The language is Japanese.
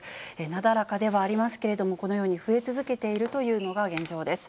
なだらかではありますけれども、このように増え続けているというのが現状です。